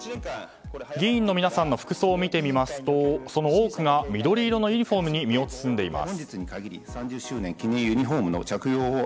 議員の皆さんの服装を見てみますと、その多くが緑色のユニホームに身を包んでいます。